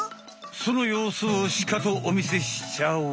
そのようすをしかとおみせしちゃおう。